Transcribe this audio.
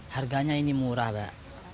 harganya ini murah pak